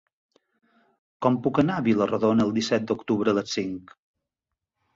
Com puc anar a Vila-rodona el disset d'octubre a les cinc?